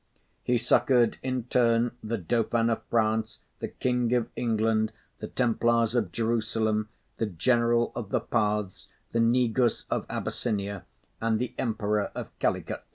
He succoured in turn the Dauphin of France, the King of England, the Templars of Jerusalem, the General of the Parths, the Negus of Abyssinia and the Emperor of Calicut.